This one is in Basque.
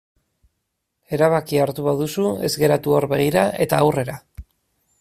Erabakia hartu baduzu ez geratu hor begira eta aurrera.